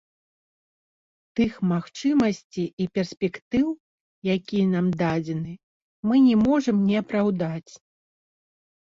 Тых магчымасцей і перспектыў, якія нам дадзены, мы не можам не апраўдаць.